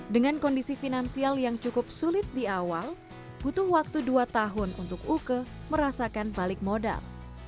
dengan kondisi finansial yang cukup sulit di awal butuh waktu dua tahun untuk uke merasakan balik modal